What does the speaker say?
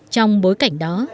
trong bối cảnh đó